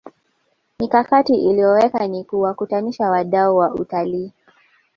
mikakati iliyowekwa ni kuwakutanisha wadau wa utalii